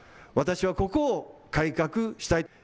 私はここを改革したい。